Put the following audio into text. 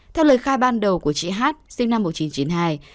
theo lời khai ban đầu của chị hát sinh năm một nghìn chín trăm chín mươi hai